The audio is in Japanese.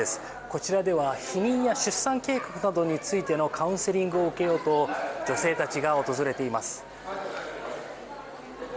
こちらでは避妊や出産計画などについてのカウンセリングを受けようと女性たちが訪れています。